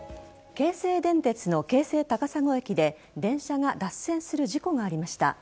京成電鉄の京成高砂駅で電車が脱線する事故がありました。